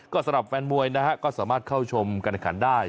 ก็สำหรับแฟนมวยนะฮะก็สามารถเข้าชมการแข่งขันได้